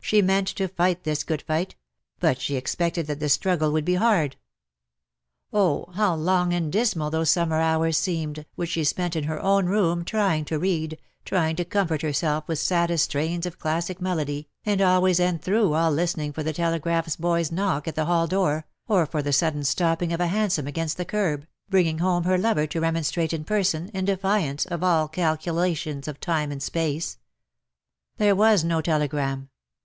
She meant to fight this good fight — but she expected that the struggle would be hard. Oh, how long *^ALAS FOR ME THEN, MY GOOD DAYS ARE DONE." 17 and dismal those summer hours seemed, which she spent in her own room, trying to read, trying tc comfort herself with saddest strains of classic melody, and always and through all listening for the telegraph boy's knock at the hall door, or for the sudden stopping of a hansom against the kerb, bringing home her lover to remonstrate in person, in defiance of all calculations of time and space. There was no telegram.